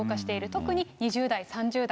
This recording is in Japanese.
特に２０代、３０代。